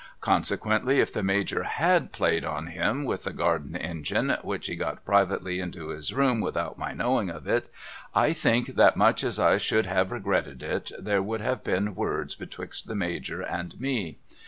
Consequently if the Major had played on him with the garden engine which he got privately into his room without my knowing of it, I think that much as I should have regretted it there would have been words betwixt the Major and me.